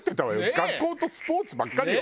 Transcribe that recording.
学校とスポーツばっかりよ